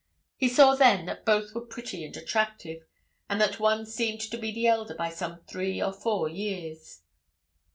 He saw then that both were pretty and attractive, and that one seemed to be the elder by some three or four years.